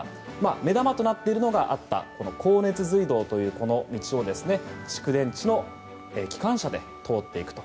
目玉となっているのがあった高熱隧道という道を蓄電池の機関車で通っていくと。